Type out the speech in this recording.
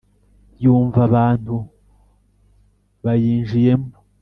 Yumva abantu bayinjiyemo,